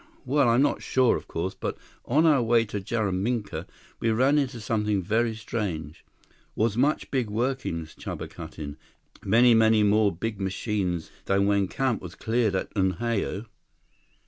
"Well, I'm not sure, of course, but on our way to Jaraminka, we ran into something very strange." "Was much big workings," Chuba cut in. "Many, many more big machines than when camp was cleared at Unhao."